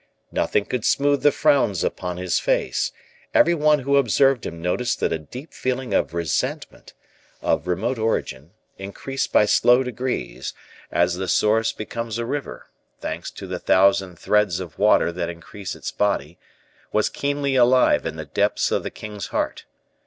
Nothing could smooth the frowns upon his face; every one who observed him noticed that a deep feeling of resentment, of remote origin, increased by slow degrees, as the source becomes a river, thanks to the thousand threads of water that increase its body, was keenly alive in the depths of the king's heart.